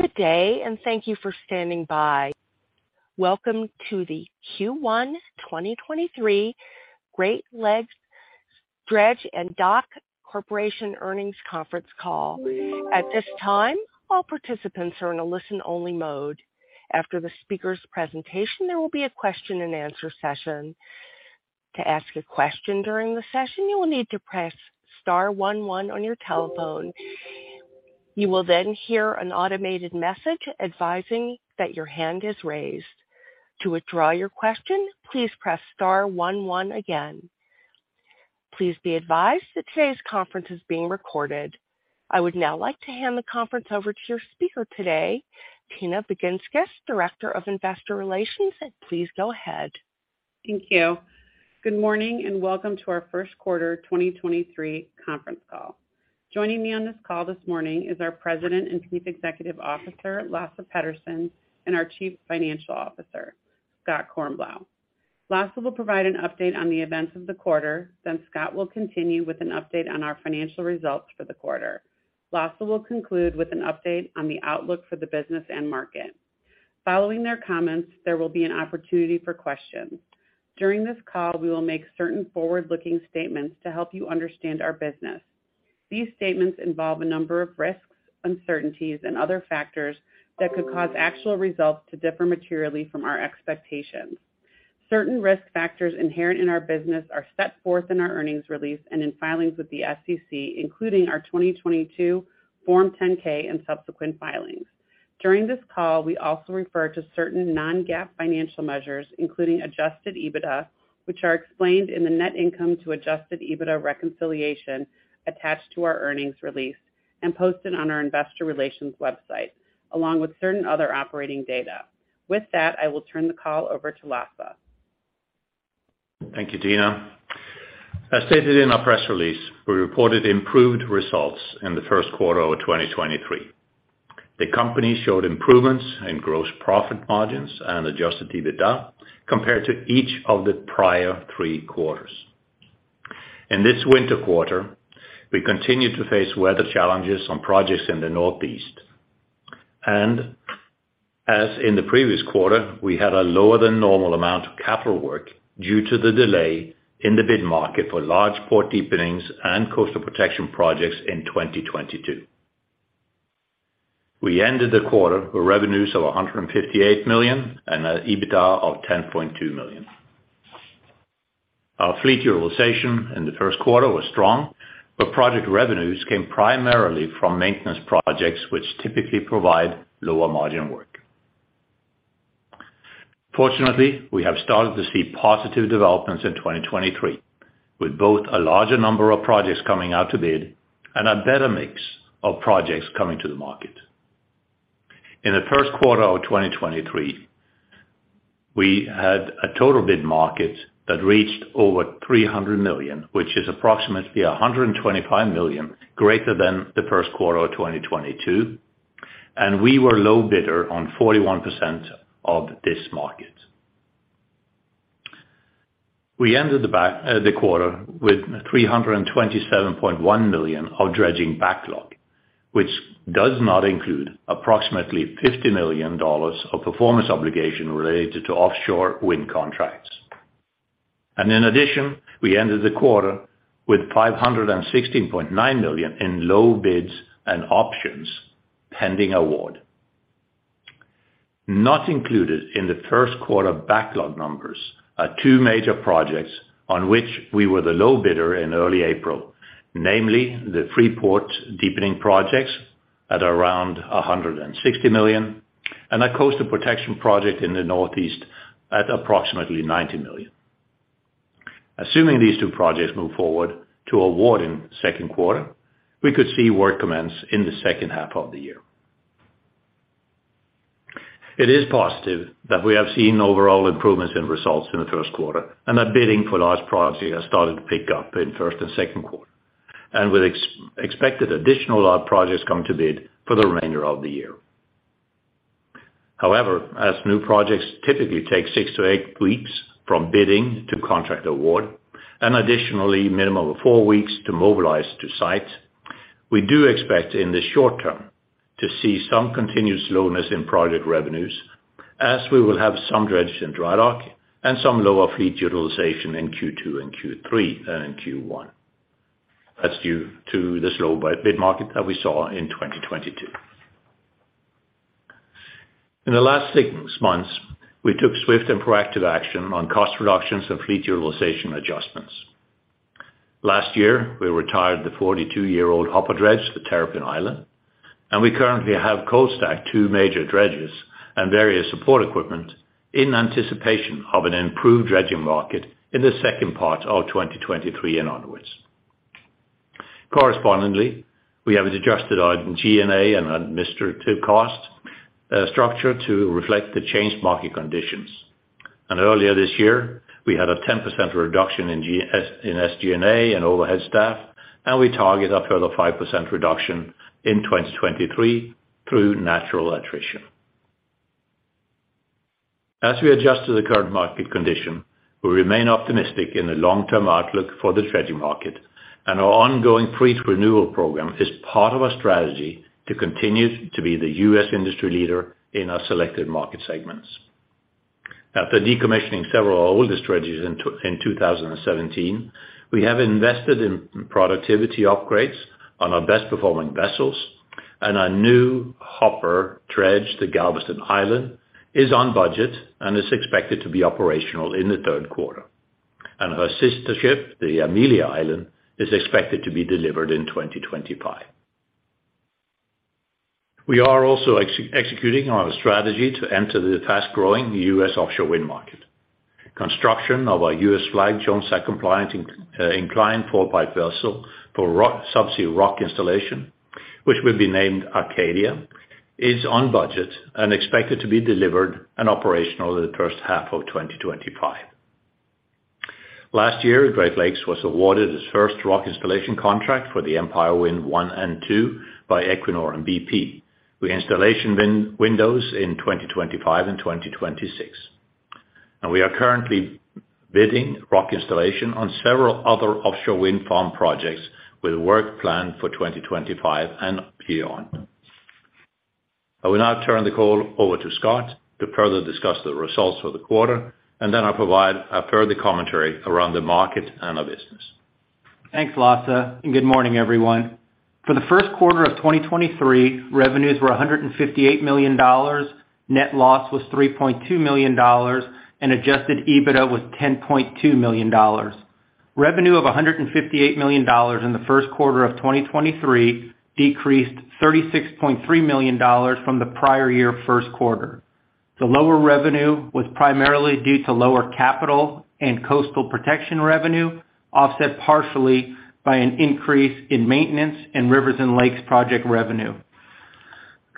Good day. Thank you for standing by. Welcome to the Q1 2023 Great Lakes Dredge & Dock Corporation Earnings Conference Call. At this time, all participants are in a listen only mode. After the speaker's presentation, there will be a question and answer session. To ask a question during the session, you will need to press star one one on your telephone. You will hear an automated message advising that your hand is raised. To withdraw your question, please press star one one again. Please be advised that today's conference is being recorded. I would now like to hand the conference over to your speaker today Tina Baginskis, Director of Investor Relations. Please go ahead. Thank you. Good morning, welcome to our first quarter 2023 conference call. Joining me on this call this morning is our President and Chief Executive Officer, Lasse Petterson, and our Chief Financial Officer, Scott Kornblau. Lasse will provide an update on the events of the quarter. Scott will continue with an update on our financial results for the quarter. Lasse will conclude with an update on the outlook for the business and market. Following their comments, there will be an opportunity for questions. During this call we will make certain forward looking statements to help you understand our business. These statements involve a number of risks uncertainties and other factors that could cause actual results to differ materially from our expectations. Certain risk factors inherent in our business are set forth in our earnings release and in filings with the SEC, including our 2022 Form 10-K and subsequent filings. During this call, we also refer to certain non-GAAP financial measures, including adjusted EBITDA, which are explained in the net income to adjusted EBITDA reconciliation attached to our earnings release and posted on our investor relations website, along with certain other operating data. With that, I will turn the call over to Lasse. Thank you, Tina. As stated in our press release, we reported improved results in the first quarter of 2023. The company showed improvements in gross profit margins and adjusted EBITDA compared to each of the prior three quarters. In this winter quarter, we continued to face weather challenges on projects in the Northeast. As in the previous quarter, we had a lower than normal amount of capital work due to the delay in the bid market for large port deepenings and coastal protection projects in 2022. We ended the quarter with revenues of $158 million and an EBITDA of $10.2 million. Our fleet utilization in the first quarter was strong, but project revenues came primarily from maintenance projects which typically provide lower margin work. Fortunately, we have started to see positive developments in 2023, with both a larger number of projects coming out to bid and a better mix of projects coming to the market. In the first quarter of 2023, we had a total bid market that reached over $300 million, which is approximately $125 million greater than the first quarter of 2022 and we were low bidder on 41% of this market. We ended the quarter with $327.1 million of dredging backlog, which does not include approximately $50 million of performance obligation related to offshore wind contracts. In addition, we ended the quarter with $516.9 million in low bids and options pending award. Not included in the first quarter backlog numbers are two major projects on which we were the low bidder in early April, namely the Freeport Deepening projects at around $160 million and a coastal protection project in the Northeast at approximately $90 million. Assuming these two projects move forward to award in second quarter, we could see work commence in the second half of the year. It is positive that we have seen overall improvements in results in the first quarter and that bidding for large projects has started to pick up in first and second quarter, with expected additional large projects coming to bid for the remainder of the year. As new projects typically take six to eight weeks from bidding to contract award and additionally minimum of four weeks to mobilize to site, we do expect in the short term to see some continued slowness in project revenues as we will have some dredged and dry dock and some lower fleet utilization in Q2 and Q3 than in Q1. That's due to the slow bid market that we saw in 2022. In the last six months, we took swift and proactive action on cost reductions and fleet utilization adjustments. Last year, we retired the 42 year old hopper dredge, the Terrapin Island, and we currently have cold stacked two major dredges and various support equipment in anticipation of an improved dredging market in the second part of 2023 and onwards. We have adjusted our G&A and administrative cost structure to reflect the changed market conditions. Earlier this year, we had a 10% reduction in SG&A and overhead staff, and we target a further 5% reduction in 2023 through natural attrition. As we adjust to the current market condition, we remain optimistic in the long term outlook for the dredging market, and our ongoing fleet renewal program is part of our strategy to continue to be the U.S. industry leader in our selected market segments. After decommissioning several of our oldest dredges in 2017, we have invested in productivity upgrades on our best performing vessels, and our new hopper dredge, the Galveston Island, is on budget and is expected to be operational in the third quarter. Her sister ship, the Amelia Island, is expected to be delivered in 2025. We are also executing on a strategy to enter the fast growing U.S. offshore wind market. Construction of our U.S.-flagged Jones Act-compliant inclined fallpipe vessel for subsea rock installation, which will be named Acadia, is on budget and expected to be delivered and operational in the first half of 2025. Last year, Great Lakes was awarded its first rock installation contract for the Empire Wind I and II by Equinor and bp with installation windows in 2025 and 2026. We are currently bidding rock installation on several other offshore wind farm projects with work planned for 2025 and beyond. I will now turn the call over to Scott to further discuss the results for the quarter, and then I'll provide a further commentary around the market and our business. Thanks, Lasse, and good morning, everyone. For the first quarter of 2023, revenues were $158 million, net loss was $3.2 million, and adjusted EBITDA was $10.2 million. Revenue of $158 million in the first quarter of 2023 decreased $36.3 million from the prior year first quarter. The lower revenue was primarily due to lower capital and coastal protection revenue, offset partially by an increase in maintenance and rivers and lakes project revenue.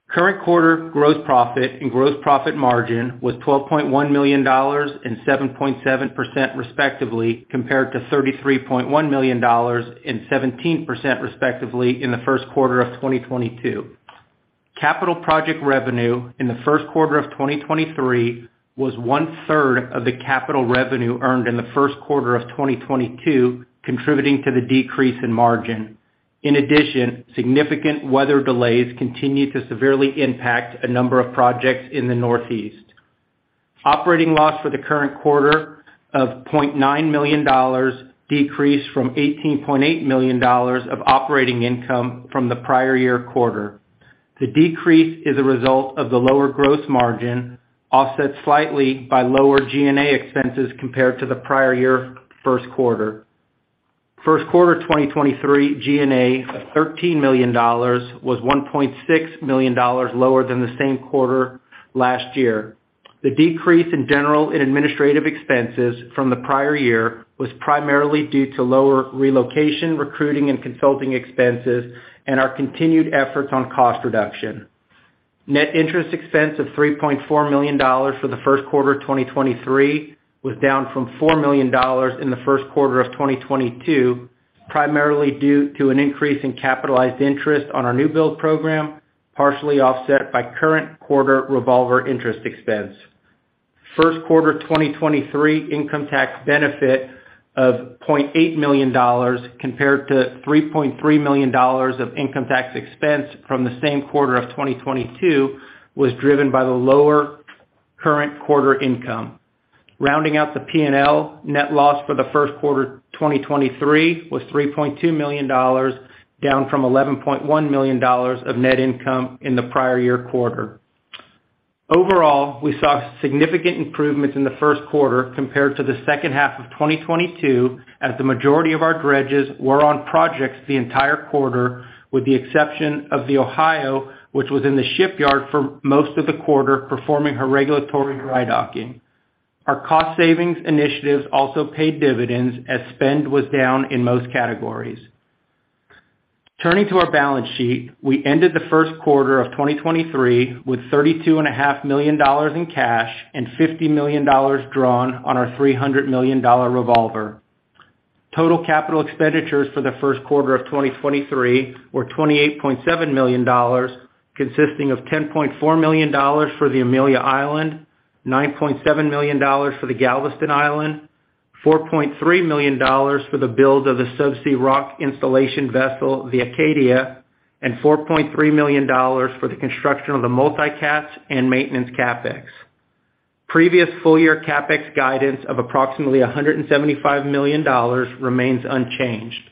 Current quarter gross profit and gross profit margin was $12.1 million and 7.7% respectively, compared to $33.1 million and 17% respectively in the first quarter of 2022. Capital project revenue in the first quarter of 2023 was one-third of the capital revenue earned in the first quarter of 2022, contributing to the decrease in margin. Significant weather delays continued to severely impact a number of projects in the Northeast. Operating loss for the current quarter of $0.9 million decreased from $18.8 million of operating income from the prior year quarter. The decrease is a result of the lower gross margin, offset slightly by lower G&A expenses compared to the prior year first quarter. First quarter 2023 G&A of $13 million was $1.6 million lower than the same quarter last year. The decrease in general and administrative expenses from the prior year was primarily due to lower relocation, recruiting, and consulting expenses, and our continued efforts on cost reduction. Net interest expense of $3.4 million for the first quarter of 2023 was down from $4 million in the first quarter of 2022, primarily due to an increase in capitalized interest on our new build program, partially offset by current quarter revolver interest expense. First quarter 2023 income tax benefit of $0.8 million, compared to $3.3 million of income tax expense from the same quarter of 2022, was driven by the lower current quarter income. Rounding out the P&L net loss for the first quarter 2023 was $3.2 million down from $11.1 million of net income in the prior year quarter. Overall, we saw significant improvements in the first quarter compared to the second half of 2022, as the majority of our dredges were on projects the entire quarter, with the exception of the Ohio, which was in the shipyard for most of the quarter, performing her regulatory dry docking. Our cost savings initiatives also paid dividends as spend was down in most categories. Turning to our balance sheet, we ended the first quarter of 2023 with thirty-two and a half million dollars in cash and $50 million drawn on our $300 million revolver. Total capital expenditures for the first quarter of 2023 were $28.7 million, consisting of $10.4 million for the Amelia Island, $9.7 million for the Galveston Island, $4.3 million for the build of the subsea rock installation vessel, the Acadia, and $4.3 million for the construction of the multi-cats and maintenance CapEx. Previous full year CapEx guidance of approximately $175 million remains unchanged.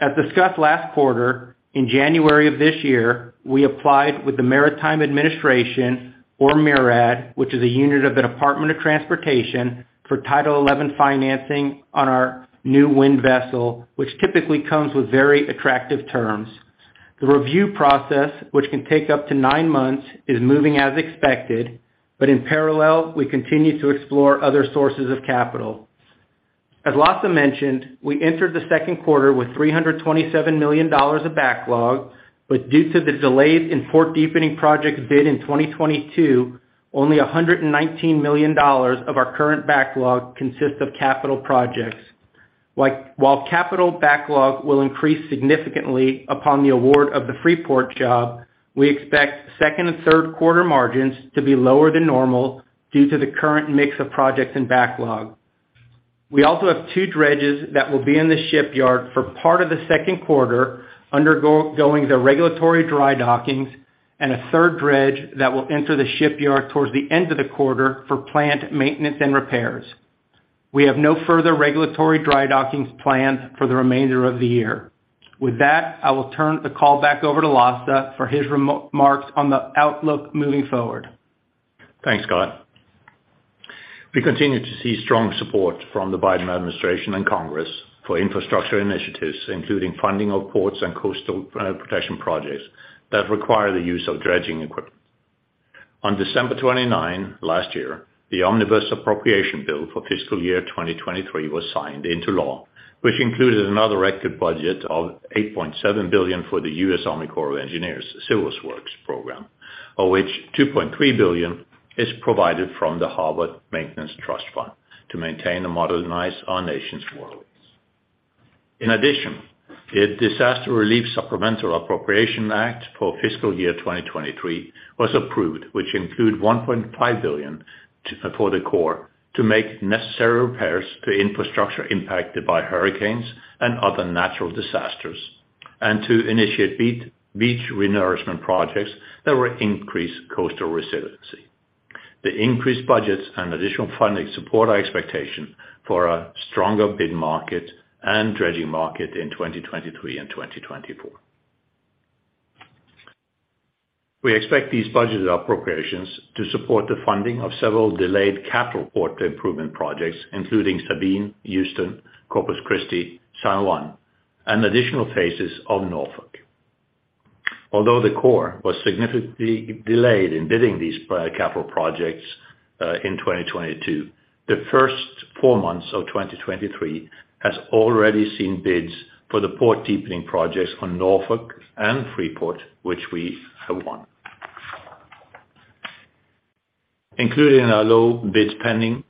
As discussed last quarter, in January of this year, we applied with the Maritime Administration, or MARAD, which is a unit of the Department of Transportation, for Title XI financing on our new wind vessel, which typically comes with very attractive terms. The review process, which can take up to nine months, is moving as expected, in parallel, we continue to explore other sources of capital. As Lasse mentioned, we entered the second quarter with $327 million of backlog, but due to the delays in port deepening projects bid in 2022, only $119 million of our current backlog consists of capital projects. Like, while capital backlog will increase significantly upon the award of the Freeport job, we expect second and third quarter margins to be lower than normal due to the current mix of projects and backlog. We also have two dredges that will be in the shipyard for part of the second quarter undergoing their regulatory drydockings and a third dredge that will enter the shipyard towards the end of the quarter for plant maintenance and repairs. We have no further regulatory drydockings planned for the remainder of the year. With that, I will turn the call back over to Lasse for his remarks on the outlook moving forward. Thanks, Scott. We continue to see strong support from the Biden administration and Congress for infrastructure initiatives, including funding of ports and coastal protection projects that require the use of dredging equipment. On December 29 last year, the Consolidated Appropriations Act, 2023 was signed into law, which included another record budget of $8.7 billion for the U.S. Army Corps of Engineers Civil Works program, of which $2.3 billion is provided from the Harbor Maintenance Trust Fund to maintain and modernize our nation's waterways. In addition, a Disaster Relief Supplemental Appropriations Act for fiscal year 2023 was approved, which include $1.5 billion for the Corps to make necessary repairs to infrastructure impacted by hurricanes and other natural disasters, and to initiate beach renourishment projects that will increase coastal resiliency. The increased budgets and additional funding support our expectation for a stronger bid market and dredging market in 2023 and 2024. We expect these budgeted appropriations to support the funding of several delayed capital port improvement projects, including Sabine, Houston, Corpus Christi, San Juan, and additional phases of Norfolk. Although the Corps was significantly delayed in bidding these capital projects in 2022, the first four months of 2023 has already seen bids for the port deepening projects on Norfolk and Freeport, which we have won. Included in our low bids pending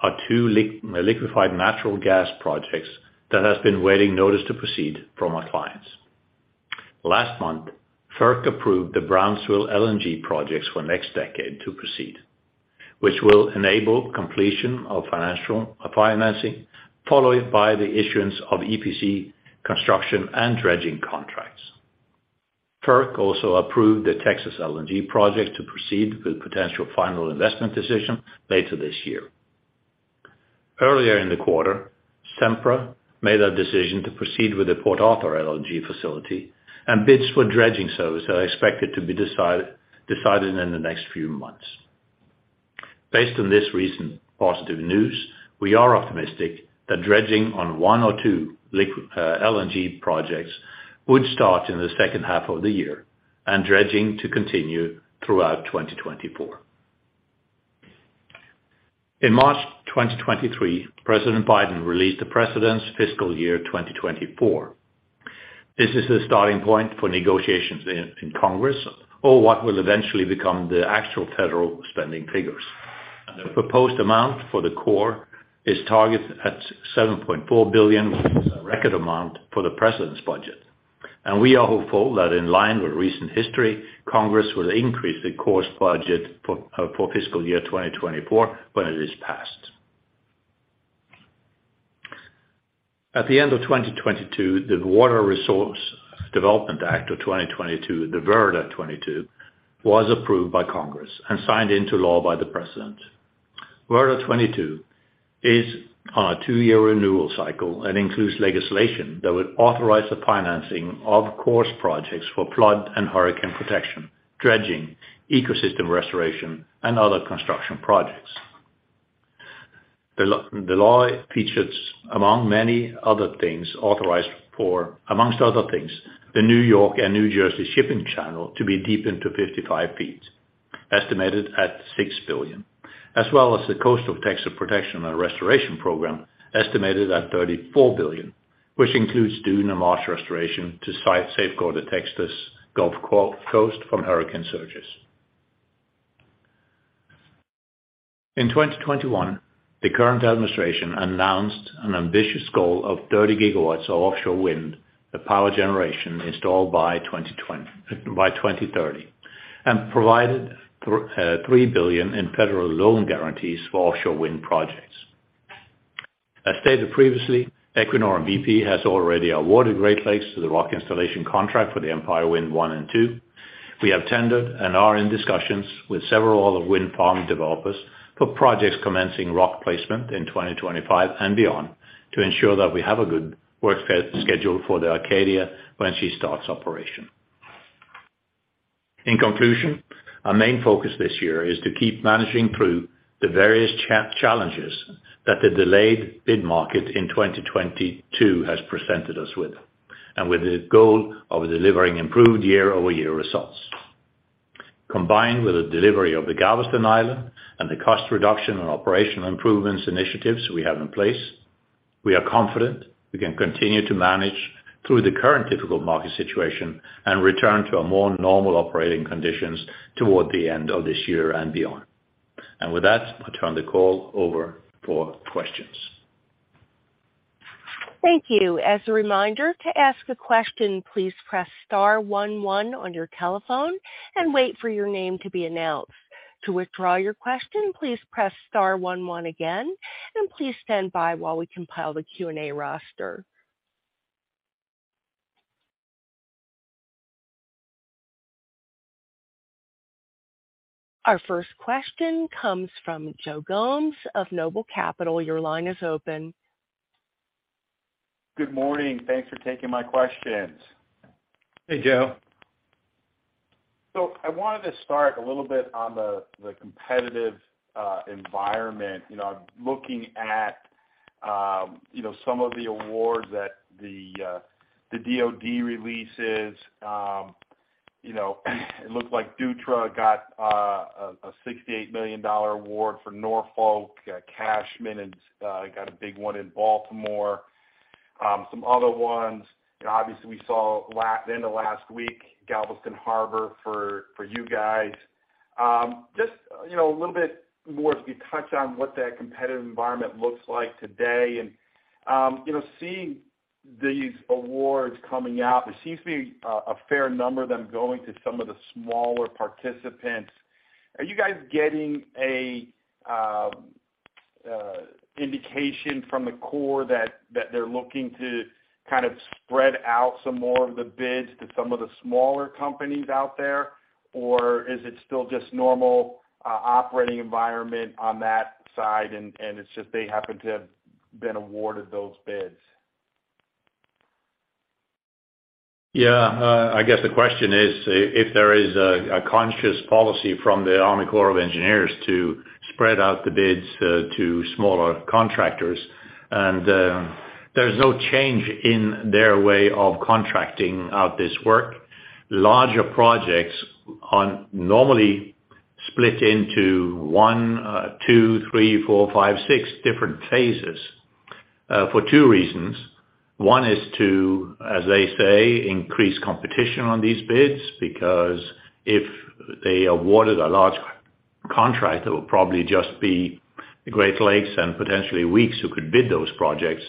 are two liquefied natural gas projects that has been waiting notice to proceed from our clients. Last month, FERC approved the Brownsville LNG projects for NextDecade to proceed, which will enable completion of financial financing, followed by the issuance of EPC construction and dredging contracts. FERC also approved the Texas LNG projects to proceed with potential final investment decision later this year. Earlier in the quarter, Sempra made a decision to proceed with the Port Arthur LNG facility. Bids for dredging services are expected to be decided in the next few months. Based on this recent positive news, we are optimistic that dredging on one or two LNG projects would start in the second half of the year. Dredging to continue throughout 2024. In March 2023, President Biden released the President's Fiscal Year 2024. This is the starting point for negotiations in Congress or what will eventually become the actual federal spending figures. The proposed amount for the Corps is targeted at $7.4 billion, which is a record amount for the president's budget. We are hopeful that in line with recent history, Congress will increase the Corps' budget for fiscal year 2024 when it is passed. At the end of 2022, the Water Resources Development Act of 2022, the WRDA 2022, was approved by Congress and signed into law by the President. WRDA 2022 is on a two-year renewal cycle and includes legislation that would authorize the financing of Corps projects for flood and hurricane protection, dredging, ecosystem restoration, and other construction projects. The law features, among many other things, authorized for, amongst other things, the New York and New Jersey shipping channel to be deepened to 55 feet, estimated at $6 billion, as well as the Coastal Texas Protection and Restoration Project, estimated at $34 billion, which includes dune and marsh restoration to safeguard the Texas Gulf Coast from hurricane surges. In 2021, the current administration announced an ambitious goal of 30 gigawatts of offshore wind, the power generation installed by 2030, and provided $3 billion in federal loan guarantees for offshore wind projects. As stated previously, Equinor and bp has already awarded Great Lakes to the rock installation contract for the Empire Wind I and II. We have tendered and are in discussions with several other wind farm developers for projects commencing rock placement in 2025 and beyond to ensure that we have a good work schedule for the Acadia when she starts operation. In conclusion, our main focus this year is to keep managing through the various challenges that the delayed bid market in 2022 has presented us with, and with the goal of delivering improved year-over-year results. Combined with the delivery of the Galveston Island and the cost reduction and operational improvements initiatives we have in place, we are confident we can continue to manage through the current difficult market situation and return to a more normal operating conditions toward the end of this year and beyond. With that, I turn the call over for questions. Thank you. As a reminder, to ask a question, please press star one one on your telephone and wait for your name to be announced. To withdraw your question, please press star one one again. Please stand by while we compile the Q&A roster. Our first question comes from Joe Gomes of Noble Capital Markets. Your line is open. Good morning. Thanks for taking my questions. Hey, Joe. I wanted to start a little bit on the competitive environment. You know, looking at, you know, some of the awards that the DoD releases, you know, it looks like Dutra got a $68 million award for Norfolk. Cashman has got a big one in Baltimore. Some other ones, you know, obviously we saw the end of last week, Galveston Harbor for you guys. Just you know, a little bit more if you touch on what that competitive environment looks like today. You know, seeing these awards coming out, there seems to be a fair number of them going to some of the smaller participants. Are you guys getting a indication from the Corps that they're looking to kind of spread out some more of the bids to some of the smaller companies out there? Or is it still just normal operating environment on that side, and it's just they happen to have been awarded those bids? Yeah. I guess the question is if there is a conscious policy from the Army Corps of Engineers to spread out the bids to smaller contractors. There's no change in their way of contracting out this work. Larger projects are normally split into one, two, three, four, five, six different phases for two reasons. one is to, as they say, increase competition on these bids, because if they awarded a large contract, it would probably just be the Great Lakes and potentially Weeks who could bid those projects.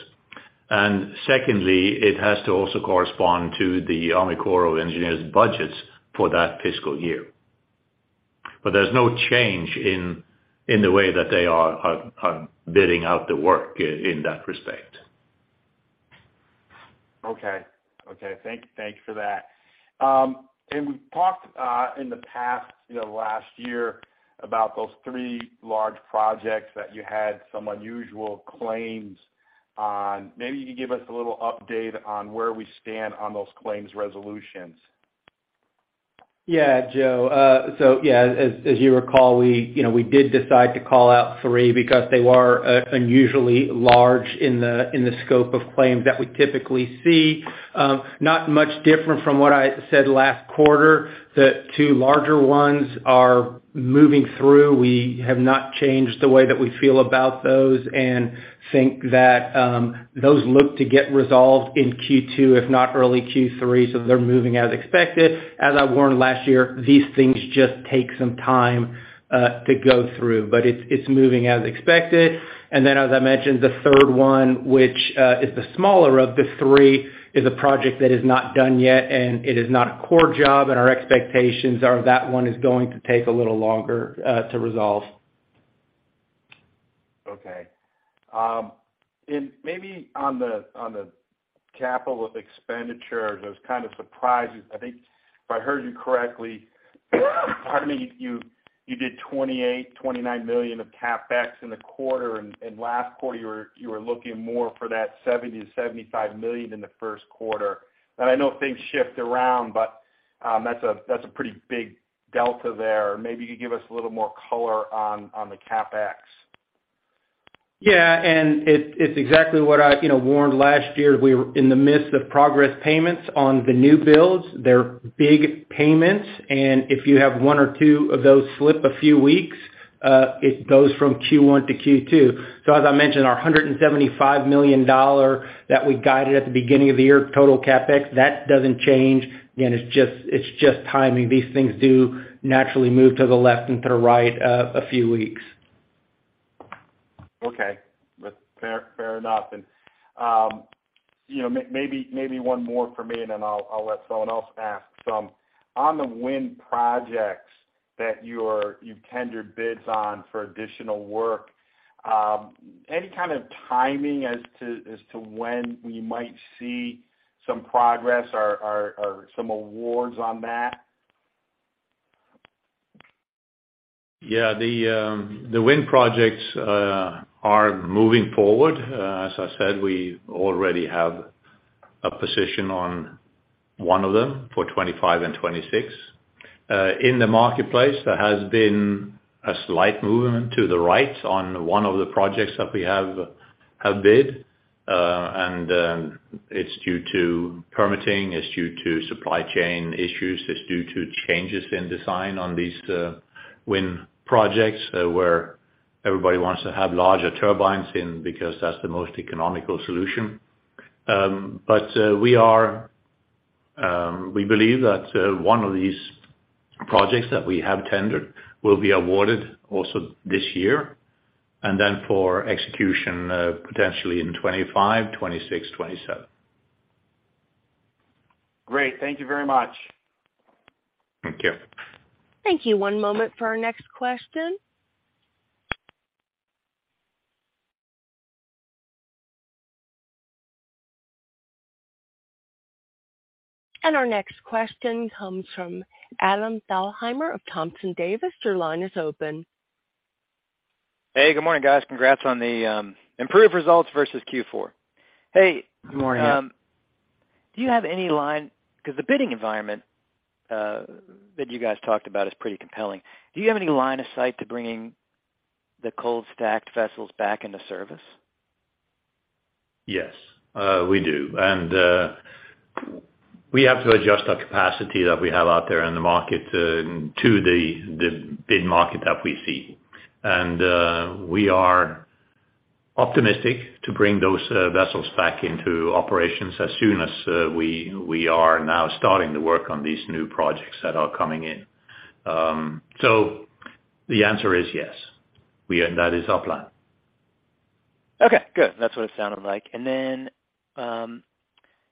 Secondly, it has to also correspond to the Army Corps of Engineers budgets for that fiscal year. There's no change in the way that they are bidding out the work in that respect. Okay. Thank you for that. We've talked, in the past, you know, last year about those three large projects that you had some unusual claims on. Maybe you could give us a little update on where we stand on those claims resolutions? Yeah, Joe. Yeah, as you recall, we, you know, we did decide to call out three because they were unusually large in the, in the scope of claims that we typically see. Not much different from what I said last quarter. The two larger ones are moving through. We have not changed the way that we feel about those and think that, those look to get resolved in Q2, if not early Q3. They're moving as expected. As I warned last year, these things just take some time to go through. It's moving as expected. Then as I mentioned, the third one, which, is the smaller of the three, is a project that is not done yet, and it is not a core job, and our expectations are that one is going to take a little longer, to resolve. Okay. Maybe on the capital expenditures, I was kind of surprised. I think if I heard you correctly, pardon me. You did $28 million-$29 million of CapEx in the quarter, and last quarter, you were looking more for that $70 million-$75 million in the first quarter. I know things shift around, but that's a pretty big delta there. Maybe you could give us a little more color on the CapEx. It's exactly what I, you know, warned last year. We were in the midst of progress payments on the new builds. They're big payments, and if you have one or two of those slip a few weeks, it goes from Q1 to Q2. As I mentioned, our $175 million that we guided at the beginning of the year, total CapEx, that doesn't change. Again, it's just timing. These things do naturally move to the left and to the right, a few weeks. Okay. That's fair enough. You know, maybe one more for me, and then I'll let someone else ask some. On the wind projects that you've tendered bids on for additional work, any kind of timing as to when we might see some progress or some awards on that? Yeah. The wind projects are moving forward. As I said, we already have a position on one of them for '25 and '26. In the marketplace, there has been a slight movement to the right on one of the projects that we have bid. It's due to permitting, it's due to supply chain issues, it's due to changes in design on these wind projects, where everybody wants to have larger turbines in because that's the most economical solution. We believe that one of these projects that we have tendered will be awarded also this year, and then for execution, potentially in '25, '26, '27. Great. Thank you very much. Thank you. Thank you. One moment for our next question. Our next question comes from Adam Thalhimer of Thompson Davis. Your line is open. Hey, good morning, guys. Congrats on the improved results versus Q4. Hey. Good morning. 'Cause the bidding environment that you guys talked about is pretty compelling. Do you have any line of sight to bringing the cold stacked vessels back into service? Yes, we do. We have to adjust our capacity that we have out there in the market, to the bid market that we see. We are optimistic to bring those vessels back into operations as soon as, we are now starting the work on these new projects that are coming in. The answer is yes. That is our plan. Okay, good. That's what it sounded like.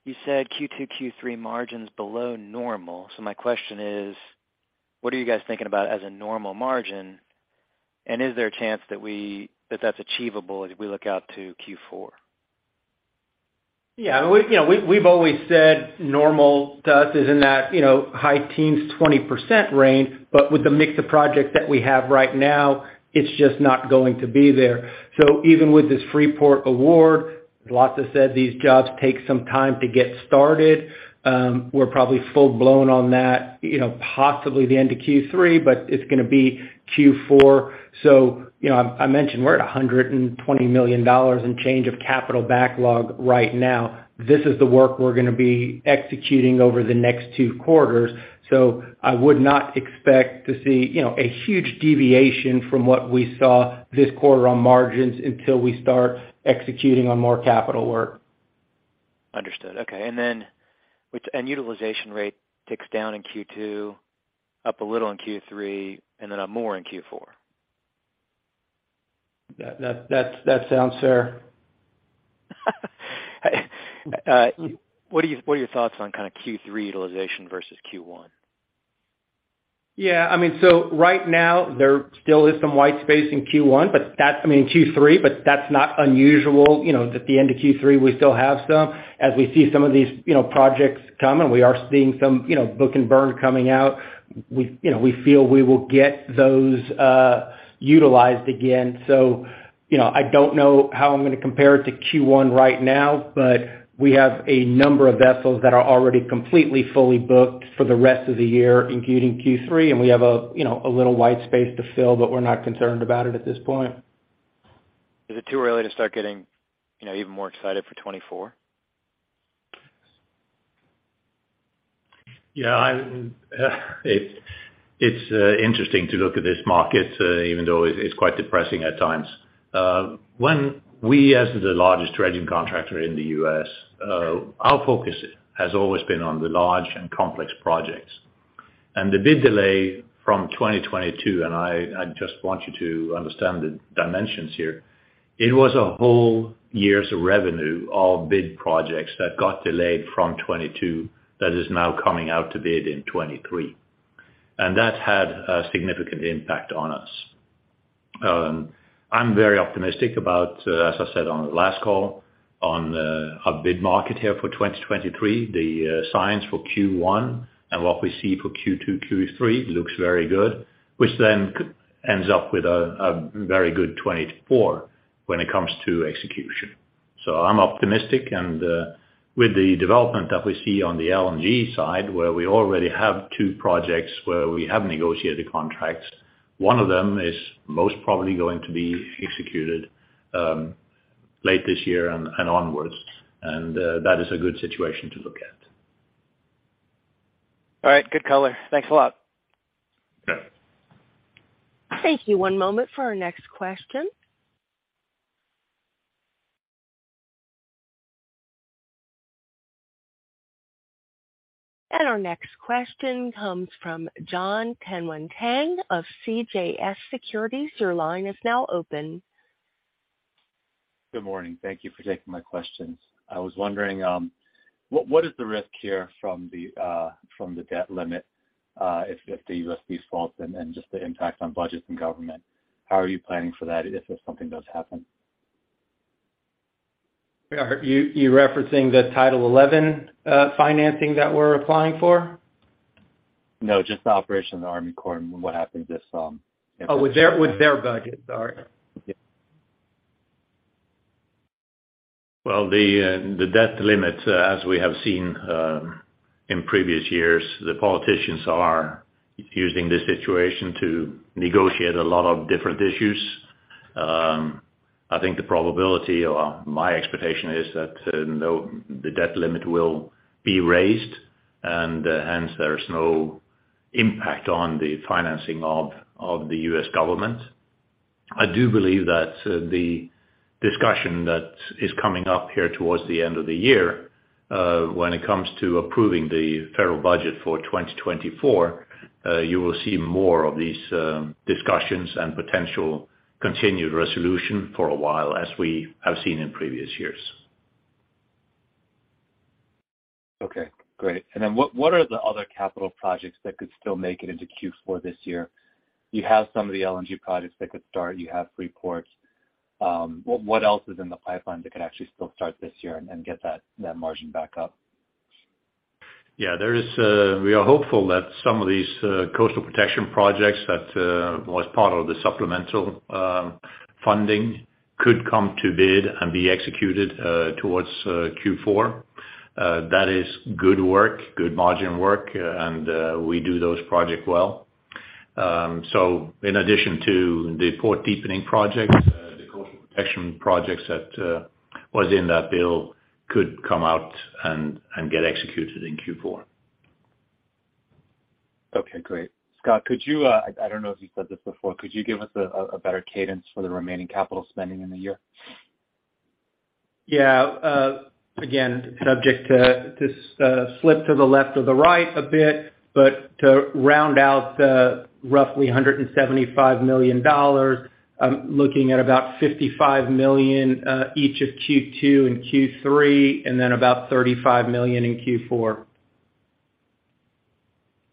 You said Q2, Q3 margins below normal. My question is: what are you guys thinking about as a normal margin, and is there a chance that that's achievable as we look out to Q4? Yeah. We, you know, we've always said normal to us is in that, you know, high teens, 20% range, but with the mix of projects that we have right now, it's just not going to be there. Even with this Freeport award, Lasse Petterson said these jobs take some time to get started. We're probably full-blown on that, you know, possibly the end of Q3, but it's gonna be Q4. You know, I mentioned we're at $120 million in change of capital backlog right now. This is the work we're gonna be executing over the next two quarters. I would not expect to see, you know, a huge deviation from what we saw this quarter on margins until we start executing on more capital work. Understood. Okay. Utilization rate ticks down in Q2, up a little in Q3, and then up more in Q4. That sounds fair. What are your thoughts on kinda Q3 utilization versus Q1? I mean, so right now there still is some white space in Q1, but I mean Q3, but that's not unusual, you know, that the end of Q3 we still have some. As we see some of these, you know, projects come, and we are seeing some, you know, book and burn coming out, we, you know, we feel we will get those utilized again. You know, I don't know how I'm gonna compare it to Q1 right now, but we have a number of vessels that are already completely, fully booked for the rest of the year, including Q3, and we have a, you know, a little white space to fill, but we're not concerned about it at this point. Is it too early to start getting, you know, even more excited for 2024? Yeah. I'm... It's interesting to look at this market, even though it's quite depressing at times. When we, as the largest dredging contractor in the U.S., our focus has always been on the large and complex projects. The bid delay from 2022, I just want you to understand the dimensions here, it was a whole years of revenue of bid projects that got delayed from 2022 that is now coming out to bid in 2023. That had a significant impact on us. I'm very optimistic about, as I said on the last call, on our bid market here for 2023. The signs for Q1 and what we see for Q2, Q3 looks very good, which then ends up with a very good 2024 when it comes to execution. I'm optimistic. With the development that we see on the LNG side, where we already have two projects where we have negotiated contracts, one of them is most probably going to be executed late this year and onwards. That is a good situation to look at. All right. Good color. Thanks a lot. Yeah. Thank you. One moment for our next question. Our next question comes from Jonathan Tanwanteng of CJS Securities. Your line is now open. Good morning. Thank you for taking my questions. I was wondering, what is the risk here from the debt limit, if the U.S. defaults and just the impact on budgets and government? How are you planning for that if something does happen? Are you referencing the Title XI financing that we're applying for? No, just the operation of the Army Corps and what happens if. Oh, with their budget. Sorry. Yeah. Well, the debt limit, as we have seen in previous years, the politicians are using this situation to negotiate a lot of different issues. I think the probability or my expectation is that, no, the debt limit will be raised and hence there's no impact on the financing of the U.S. government. I do believe that the discussion that is coming up here towards the end of the year, when it comes to approving the federal budget for 2024, you will see more of these discussions and potential continued resolution for a while, as we have seen in previous years. Okay, great. What are the other capital projects that could still make it into Q4 this year? You have some of the LNG projects that could start. You have three ports. What else is in the pipeline that could actually still start this year and get that margin back up? There is, we are hopeful that some of these coastal protection projects that was part of the supplemental funding could come to bid and be executed towards Q4. That is good work, good margin work, and we do those project well. In addition to the port deepening projects, the coastal protection projects that was in that bill could come out and get executed in Q4. Okay, great. Scott, could you, I don't know if you said this before, could you give us a better cadence for the remaining capital spending in the year? Yeah. again, subject to this, slip to the left or the right a bit, but to round out the roughly $175 million, I'm looking at about $55 million each of Q2 and Q3, and then about $35 million in Q4.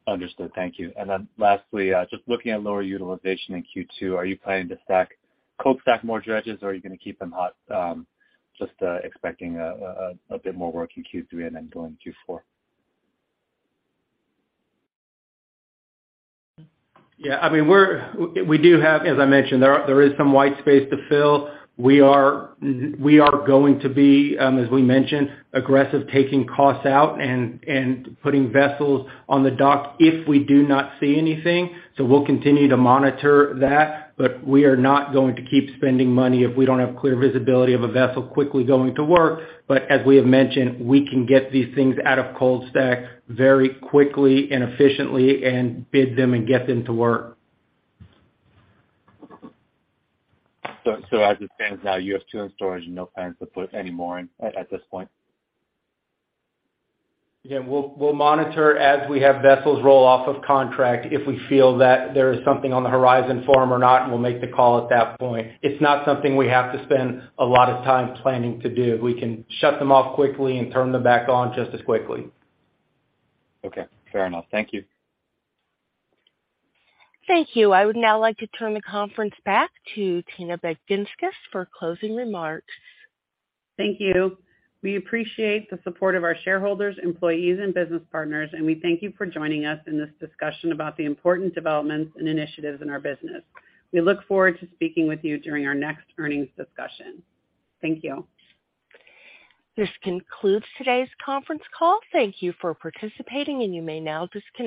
Understood. Thank you. Lastly, just looking at lower utilization in Q2, are you planning to stack, cold stack more dredges or are you gonna keep them hot, just expecting a bit more work in Q3 and then going Q4? Yeah. I mean, we do have. As I mentioned, there is some white space to fill. We are going to be, as we mentioned, aggressive taking costs out and putting vessels on the dock if we do not see anything. We'll continue to monitor that. We are not going to keep spending money if we don't have clear visibility of a vessel quickly going to work. As we have mentioned, we can get these things out of cold stack very quickly and efficiently and bid them and get them to work. as it stands now, you have two in storage and no plans to put any more in at this point? Again, we'll monitor as we have vessels roll off of contract. If we feel that there is something on the horizon for them or not, we'll make the call at that point. It's not something we have to spend a lot of time planning to do. We can shut them off quickly and turn them back on just as quickly. Okay, fair enough. Thank you. Thank you. I would now like to turn the conference back to Tina Baginskis for closing remarks. Thank you. We appreciate the support of our shareholders, employees, and business partners. We thank you for joining us in this discussion about the important developments and initiatives in our business. We look forward to speaking with you during our next earnings discussion. Thank you. This concludes today's conference call. Thank you for participating and you may now disconnect.